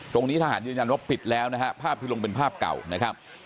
ตรงนี้ทหารยืนยันว่าปิดแล้วนะฮะภาพที่ลงเป็นภาพเก่านะครับ